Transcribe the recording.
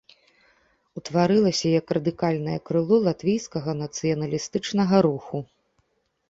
Утварылася як радыкальнае крыло латвійскага нацыяналістычнага руху.